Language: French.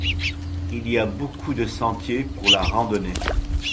Il y a beaucoup de sentiers pour la randonnée.